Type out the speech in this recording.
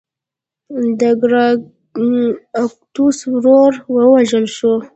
د ګراکچوس ورور ووژل شو.